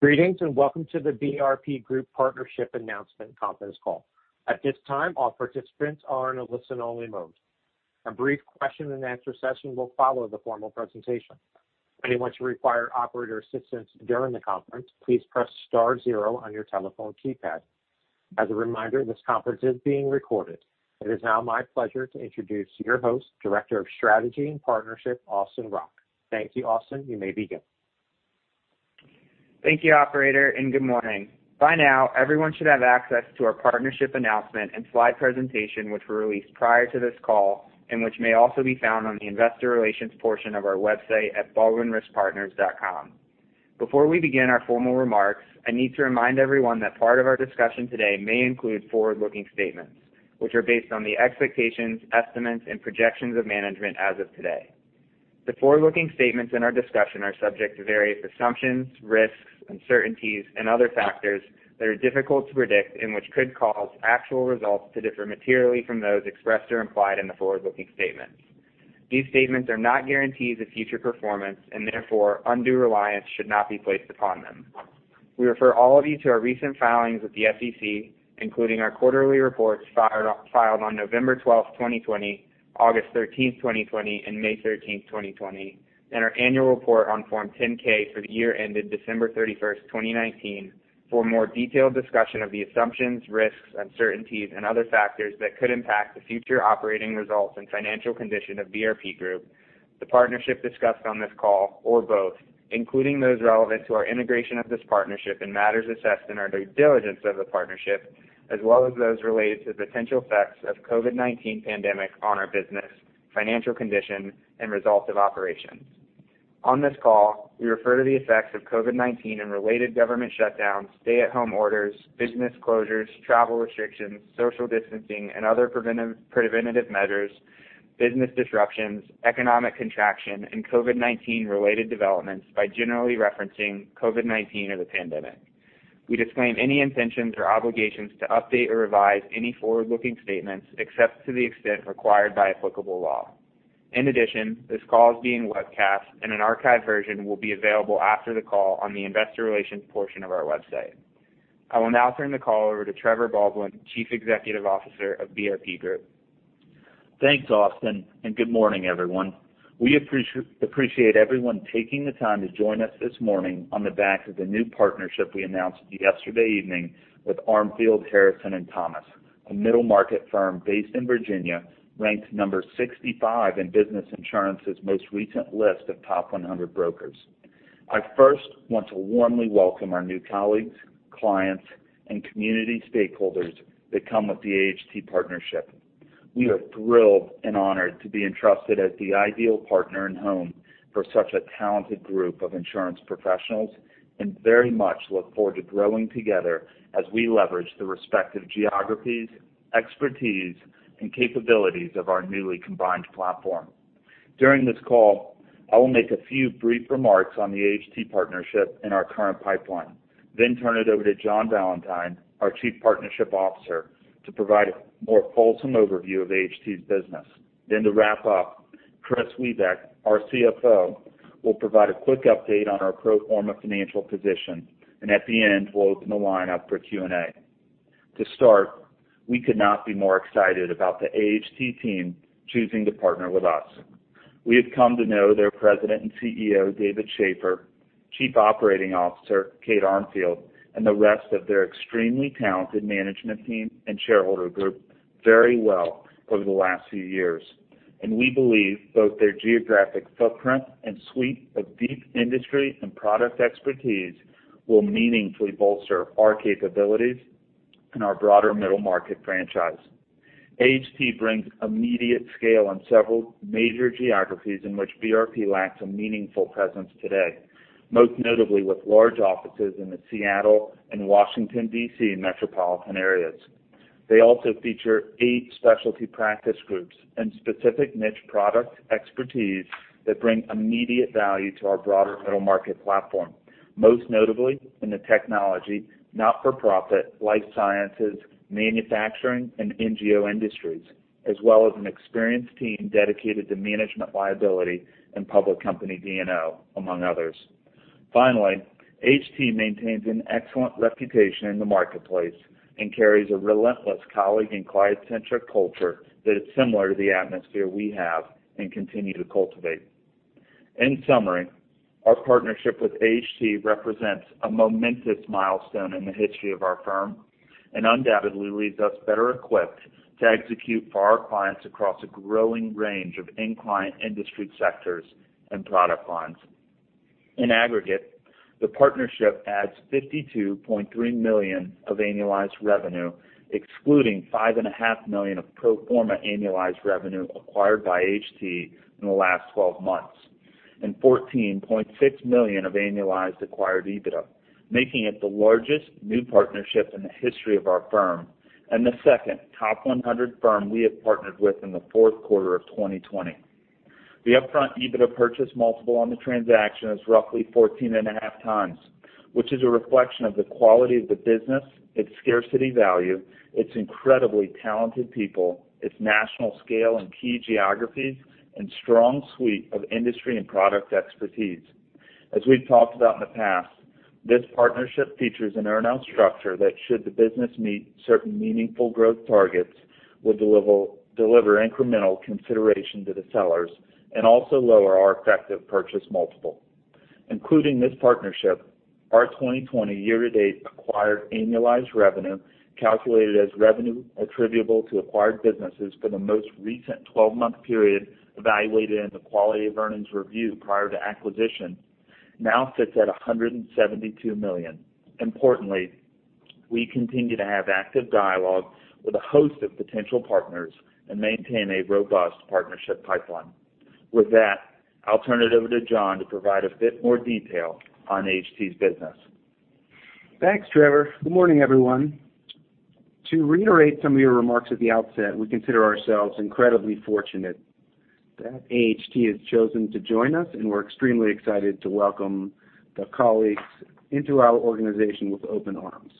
Greetings, and welcome to the BRP Group Partnership Announcement conference call. At this time, all participants are in a listen-only mode. A brief question and answer session will follow the formal presentation. Anyone to require operator assistance during the conference, please press star zero on your telephone keypad. As a reminder, this conference is being recorded. It is now my pleasure to introduce your host, Director of Strategy and Partnership, Austin Rock. Thank you, Austin. You may begin. Thank you, operator. Good morning. By now, everyone should have access to our partnership announcement and slide presentation, which were released prior to this call, which may also be found on the investor relations portion of our website at baldwinriskpartners.com. Before we begin our formal remarks, I need to remind everyone that part of our discussion today may include forward-looking statements, which are based on the expectations, estimates, and projections of management as of today. The forward-looking statements in our discussion are subject to various assumptions, risks, uncertainties, and other factors that are difficult to predict and which could cause actual results to differ materially from those expressed or implied in the forward-looking statements. These statements are not guarantees of future performance, therefore undue reliance should not be placed upon them. We refer all of you to our recent filings with the SEC, including our quarterly reports filed on November 12th, 2020, August 13th, 2020, and May 13th, 2020, our annual report on Form 10-K for the year ended December 31st, 2019, for a more detailed discussion of the assumptions, risks, uncertainties, and other factors that could impact the future operating results and financial condition of BRP Group, the partnership discussed on this call, or both, including those relevant to our integration of this partnership and matters assessed in our due diligence of the partnership, as well as those related to potential effects of COVID-19 pandemic on our business, financial condition, and results of operations. On this call, we refer to the effects of COVID-19 related government shutdowns, stay-at-home orders, business closures, travel restrictions, social distancing, and other preventative measures, business disruptions, economic contraction, COVID-19 related developments by generally referencing COVID-19 or the pandemic. We disclaim any intentions or obligations to update or revise any forward-looking statements except to the extent required by applicable law. In addition, this call is being webcast and an archive version will be available after the call on the investor relations portion of our website. I will now turn the call over to Trevor Baldwin, Chief Executive Officer of BRP Group. Thanks, Austin, and good morning, everyone. We appreciate everyone taking the time to join us this morning on the back of the new partnership we announced yesterday evening with Armfield, Harrison, and Thomas, a middle market firm based in Virginia, ranked number 65 in Business Insurance's most recent list of top 100 brokers. I first want to warmly welcome our new colleagues, clients, and community stakeholders that come with the AHT partnership. We are thrilled and honored to be entrusted as the ideal partner and home for such a talented group of insurance professionals and very much look forward to growing together as we leverage the respective geographies, expertise, and capabilities of our newly combined platform. During this call, I will make a few brief remarks on the AHT partnership and our current pipeline, turn it over to John Valentine, our Chief Partnership Officer, to provide a more wholesome overview of AHT's business. To wrap up, Kris Wiebeck, our CFO, will provide a quick update on our pro forma financial position, and at the end, we'll open the line up for Q&A. To start, we could not be more excited about the AHT team choosing to partner with us. We have come to know their President and CEO, David Schaefer, Chief Operating Officer, Kate Armfield, and the rest of their extremely talented management team and shareholder group very well over the last few years, and we believe both their geographic footprint and suite of deep industry and product expertise will meaningfully bolster our capabilities and our broader middle market franchise. AHT brings immediate scale on several major geographies in which BRP lacks a meaningful presence today, most notably with large offices in the Seattle and Washington, D.C. metropolitan areas. They also feature eight specialty practice groups and specific niche product expertise that bring immediate value to our broader middle market platform, most notably in the technology, not-for-profit, life sciences, manufacturing, and NGO industries, as well as an experienced team dedicated to management liability and public company D&O, among others. Finally, AHT maintains an excellent reputation in the marketplace and carries a relentless colleague and client-centric culture that is similar to the atmosphere we have and continue to cultivate. In summary, our partnership with AHT represents a momentous milestone in the history of our firm and undoubtedly leaves us better equipped to execute for our clients across a growing range of end client industry sectors and product lines. In aggregate, the partnership adds $52.3 million of annualized revenue, excluding five and a half million of pro forma annualized revenue acquired by AHT in the last 12 months, and $14.6 million of annualized acquired EBITDA, making it the largest new partnership in the history of our firm and the second top 100 firm we have partnered with in the fourth quarter of 2020. The upfront EBITDA purchase multiple on the transaction is roughly 14.5x, which is a reflection of the quality of the business, its scarcity value, its incredibly talented people, its national scale in key geographies, and strong suite of industry and product expertise. As we've talked about in the past, this partnership features an earn-out structure that should the business meet certain meaningful growth targets, will deliver incremental consideration to the sellers and also lower our effective purchase multiple. Including this partnership, our 2020 year-to-date acquired annualized revenue, calculated as revenue attributable to acquired businesses for the most recent 12-month period evaluated in the Quality of Earnings review prior to acquisition, now sits at $172 million. Importantly, we continue to have active dialogue with a host of potential partners and maintain a robust partnership pipeline. With that, I'll turn it over to John to provide a bit more detail on AHT's business. Thanks, Trevor. Good morning, everyone. To reiterate some of your remarks at the outset, we consider ourselves incredibly fortunate that AHT has chosen to join us, and we're extremely excited to welcome the colleagues into our organization with open arms.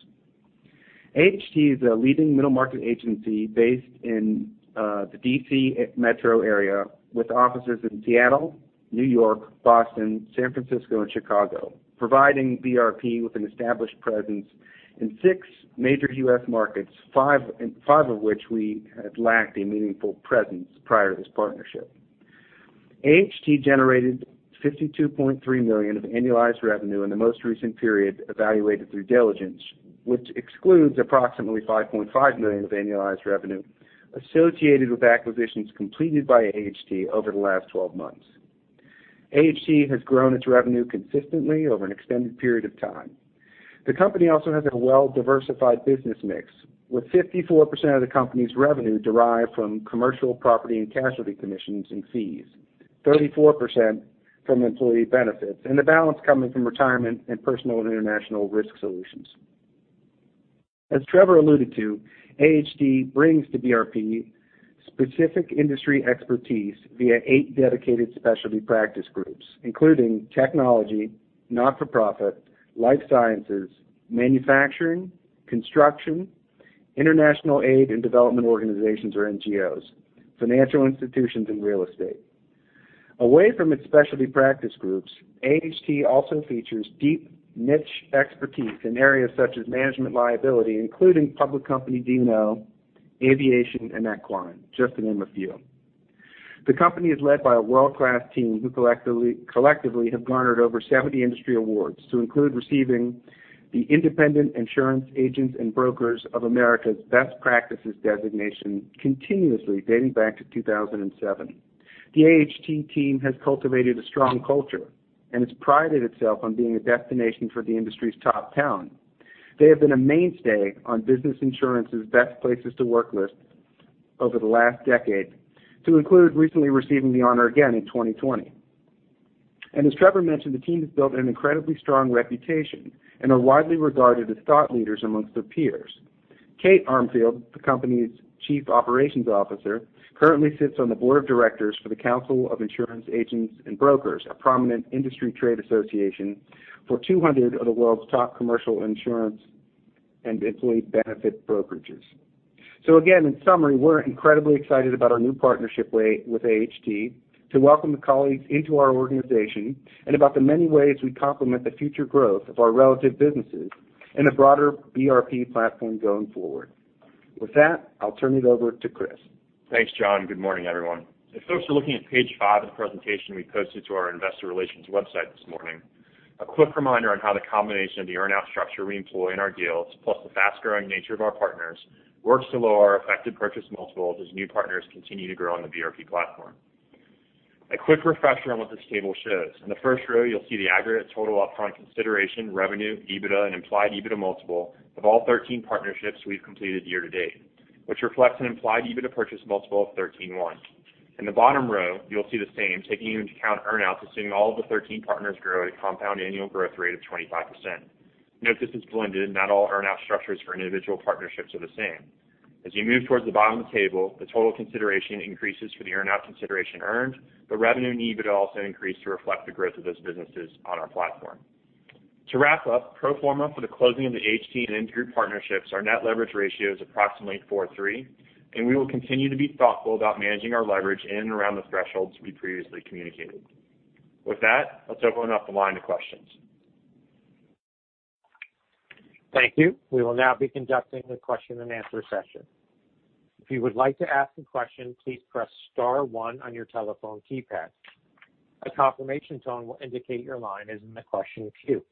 AHT is a leading middle-market agency based in the D.C. metro area, with offices in Seattle, New York, Boston, San Francisco, and Chicago, providing BRP with an established presence in six major U.S. markets, five of which we had lacked a meaningful presence prior to this partnership. AHT generated $52.3 million of annualized revenue in the most recent period evaluated through diligence, which excludes approximately $5.5 million of annualized revenue associated with acquisitions completed by AHT over the last 12 months. AHT has grown its revenue consistently over an extended period of time. The company also has a well-diversified business mix, with 54% of the company's revenue derived from commercial property and casualty commissions and fees, 34% from employee benefits, and the balance coming from retirement and personal and international risk solutions. As Trevor alluded to, AHT brings to BRP specific industry expertise via eight dedicated specialty practice groups, including technology, not-for-profit, life sciences, manufacturing, construction, international aid and development organizations or NGOs, financial institutions, and real estate. Away from its specialty practice groups, AHT also features deep niche expertise in areas such as management liability, including public company D&O, aviation, and equine, just to name a few. The company is led by a world-class team who collectively have garnered over 70 industry awards to include receiving the Independent Insurance Agents & Brokers of America's Best Practices designation continuously dating back to 2007. The AHT team has cultivated a strong culture and has prided itself on being a destination for the industry's top talent. They have been a mainstay on Business Insurance's Best Places to Work list over the last decade to include recently receiving the honor again in 2020. As Trevor mentioned, the team has built an incredibly strong reputation and are widely regarded as thought leaders amongst their peers. Kate Armfield, the company's Chief Operating Officer, currently sits on the board of directors for the Council of Insurance Agents and Brokers, a prominent industry trade association for 200 of the world's top commercial insurance and employee benefit brokerages. Again, in summary, we're incredibly excited about our new partnership with AHT, to welcome the colleagues into our organization, and about the many ways we complement the future growth of our relative businesses in the broader BRP platform going forward. With that, I'll turn it over to Kris. Thanks, John. Good morning, everyone. If folks are looking at page five of the presentation we posted to our investor relations website this morning, a quick reminder on how the combination of the earn-out structure we employ in our deals, plus the fast-growing nature of our partners, works to lower our effective purchase multiples as new partners continue to grow on the BRP platform. A quick refresher on what this table shows. In the first row, you'll see the aggregate total upfront consideration, revenue, EBITDA, and implied EBITDA multiple of all 13 partnerships we've completed year to date, which reflects an implied EBITDA purchase multiple of 13.1. In the bottom row, you'll see the same, taking into account earn-outs, assuming all of the 13 partners grow at a compound annual growth rate of 25%. Note this is blended. Not all earn-out structures for individual partnerships are the same. As you move towards the bottom of the table, the total consideration increases for the earn-out consideration earned. The revenue and EBITDA also increase to reflect the growth of those businesses on our platform. To wrap up, pro forma for the closing of the AHT and Insgroup, Inc. partnerships, our net leverage ratio is approximately 4.3, and we will continue to be thoughtful about managing our leverage in and around the thresholds we previously communicated. With that, let's open up the line to questions. Thank you. We will now be conducting the question and answer session. If you would like to ask a question, please press star 1 on your telephone keypad. A confirmation tone will indicate your line is in the question queue.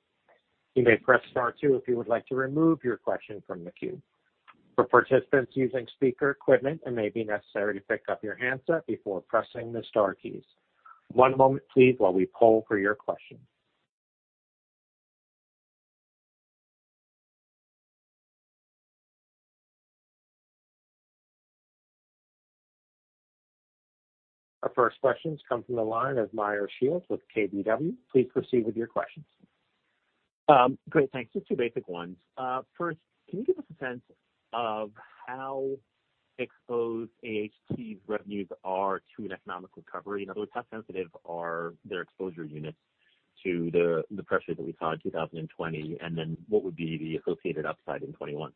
You may press star 2 if you would like to remove your question from the queue. For participants using speaker equipment, it may be necessary to pick up your handset before pressing the star keys. One moment, please, while we poll for your questions. Our first question comes from the line of Meyer Shields with KBW. Please proceed with your questions. Great. Thanks. Just two basic ones. First, can you give us a sense of how exposed AHT's revenues are to an economic recovery? In other words, how sensitive are their exposure units to the pressure that we saw in 2020? What would be the associated upside in 2021?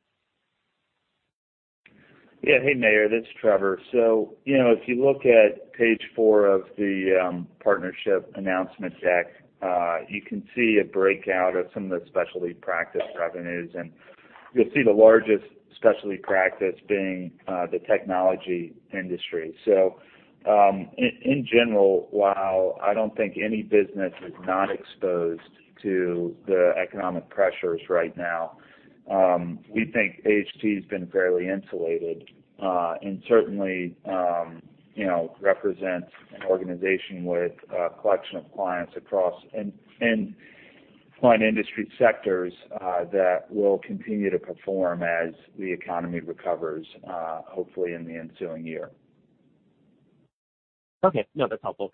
Yeah. Hey, Meyer, this Trevor. If you look at page four of the partnership announcement deck, you can see a breakout of some of the specialty practice revenues, and you'll see the largest specialty practice being the technology industry. In general, while I don't think any business is not exposed to the economic pressures right now, we think AHT has been fairly insulated, and certainly, represents an organization with a collection of clients across and find industry sectors that will continue to perform as the economy recovers, hopefully in the ensuing year. Okay. No, that's helpful.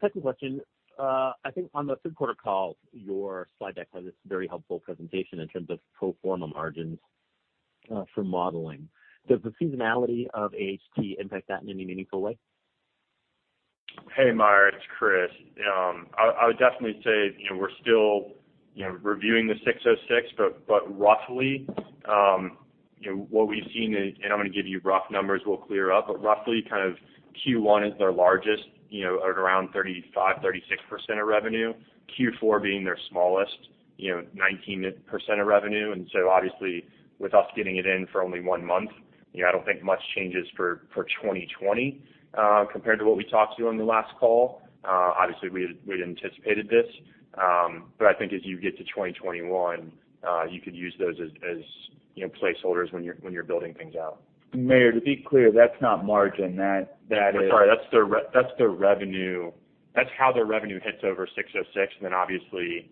Second question, I think on the third quarter call, your slide deck has this very helpful presentation in terms of pro forma margins for modeling. Does the seasonality of AHT impact that in any meaningful way? Hey, Meyer, it's Kris. I would definitely say, we're still reviewing the 606, but roughly, what we've seen is, and I'm going to give you rough numbers we'll clear up, but roughly Q1 is their largest, at around 35%, 36% of revenue. Q4 being their smallest, 19% of revenue. Obviously, with us getting it in for only one month, I don't think much changes for 2020 compared to what we talked to on the last call. Obviously, we'd anticipated this. I think as you get to 2021, you could use those as placeholders when you're building things out. Meyer, to be clear, that's not margin. That is- I'm sorry, that's their revenue. That's how their revenue hits over 606. Obviously,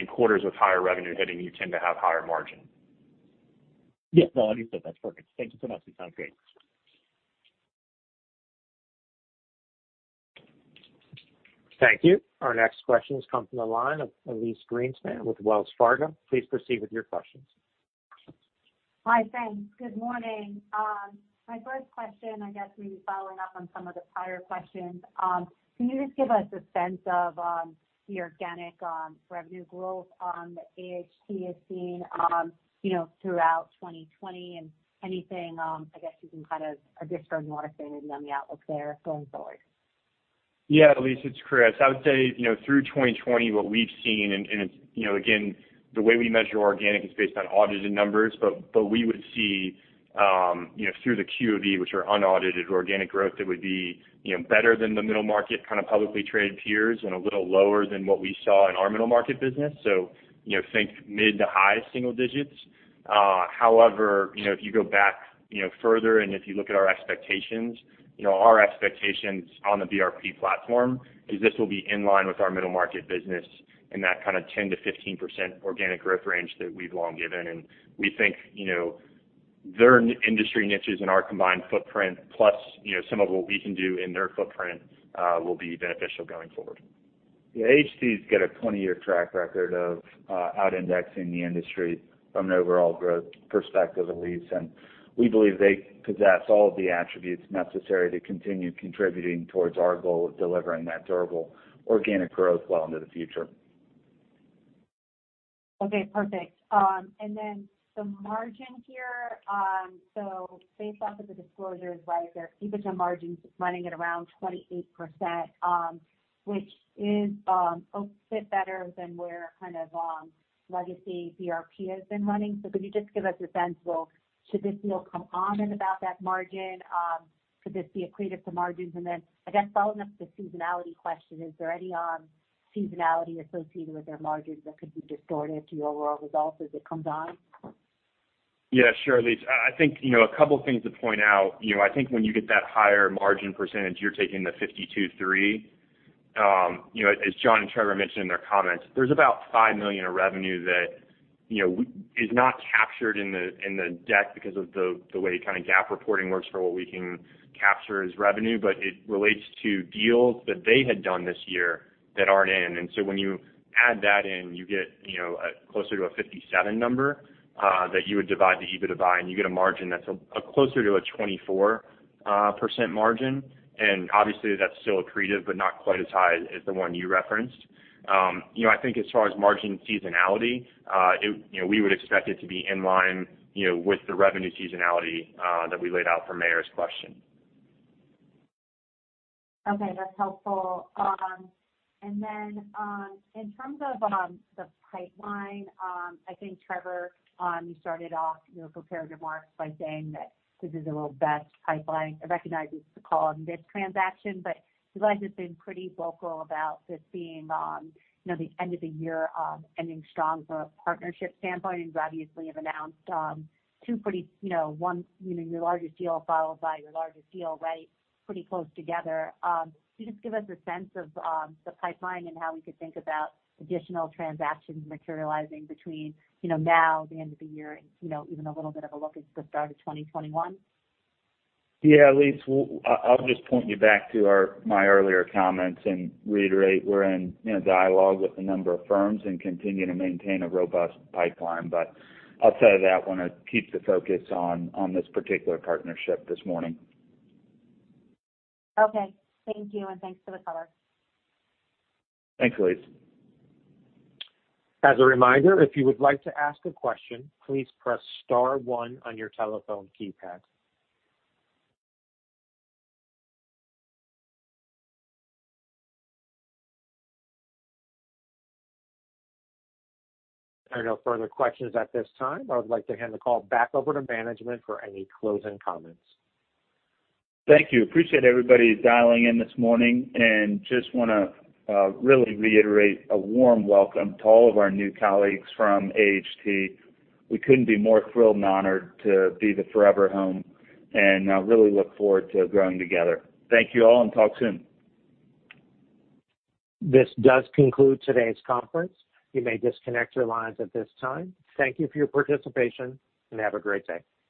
in quarters with higher revenue hitting, you tend to have higher margin. Yeah. No, understood. That's perfect. Thank you so much. You sound great. Thank you. Our next question comes from the line of Elyse Greenspan with Wells Fargo. Please proceed with your questions. Hi. Thanks. Good morning. My first question, I guess maybe following up on some of the prior questions. Can you just give us a sense of the organic revenue growth that AHT has seen throughout 2020 and anything, I guess you can kind of disproportionate a % on the outlook there going forward? Yeah, Elyse, it's Kris. I would say, through 2020, what we've seen, and again, the way we measure organic is based on audited numbers, but we would see through the Quality of Earnings, which are unaudited organic growth, that would be better than the middle market kind of publicly traded peers and a little lower than what we saw in our middle market business. Think mid to high single digits. However, if you go back further and if you look at our expectations on the BRP platform, is this will be in line with our middle market business in that kind of 10-15% organic growth range that we've long given. We think their industry niches and our combined footprint, plus some of what we can do in their footprint, will be beneficial going forward. Yeah. AHT's got a 20-year track record of out-indexing the industry from an overall growth perspective, Elyse. We believe they possess all of the attributes necessary to continue contributing towards our goal of delivering that durable organic growth well into the future. Okay, perfect. The margin here, based off of the disclosures, right, their EBITDA margin's running at around 28%, which is a bit better than where kind of legacy BRP has been running. Could you just give us a sense of should this deal come on and about that margin? Could this be accretive to margins? I guess following up the seasonality question, is there any seasonality associated with their margins that could be distorted to your overall results as it comes on? Yeah, sure, Elyse. I think a couple of things to point out. I think when you get that higher margin percentage, you're taking the 52.3. As John and Trevor mentioned in their comments, there's about $5 million of revenue that is not captured in the deck because of the way GAAP reporting works for what we can capture as revenue, but it relates to deals that they had done this year that aren't in. So when you add that in, you get closer to a 57 number, that you would divide the EBITDA by, and you get a margin that's closer to a 24% margin. Obviously that's still accretive, but not quite as high as the one you referenced. I think as far as margin seasonality, we would expect it to be in line with the revenue seasonality that we laid out for Meyer's question. Okay, that's helpful. Then, in terms of the pipeline, I think Trevor, you started off your comparative remarks by saying that this is a robust pipeline. I recognize it's a call on this transaction, but you guys have been pretty vocal about this being the end of the year ending strong from a partnership standpoint. You obviously have announced your largest deal followed by your largest deal right pretty close together. Can you just give us a sense of the pipeline and how we could think about additional transactions materializing between now, the end of the year and even a little bit of a look into the start of 2021? Yeah, Elyse. I'll just point you back to my earlier comments and reiterate we're in dialogue with a number of firms and continue to maintain a robust pipeline. Outside of that, want to keep the focus on this particular partnership this morning. Okay. Thank you. Thanks for the color. Thanks, Elyse. As a reminder, if you would like to ask a question, please press star one on your telephone keypad. There are no further questions at this time. I would like to hand the call back over to management for any closing comments. Thank you. Appreciate everybody dialing in this morning. Just want to really reiterate a warm welcome to all of our new colleagues from AHT. We couldn't be more thrilled and honored to be the forever home and really look forward to growing together. Thank you all. Talk soon. This does conclude today's conference. You may disconnect your lines at this time. Thank you for your participation, and have a great day.